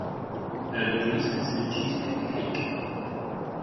The early Greeks considered cheesecake a cake.